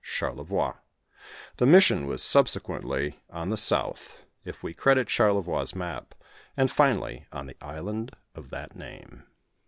{Charlevoix.) The mission wan subsequently on the south, if we credit Charlevoix's maps, and finally on the island of that name.